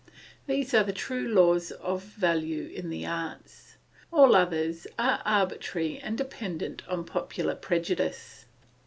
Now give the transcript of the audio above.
These are the true laws of value in the arts; all others are arbitrary and dependent on popular prejudice.